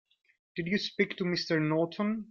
Did you speak to Mr. Norton?